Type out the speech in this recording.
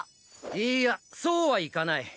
いいやそうはいかない。